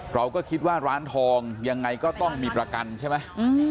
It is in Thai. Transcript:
เราก็คิดว่าร้านทองยังไงก็ต้องมีประกันใช่ไหม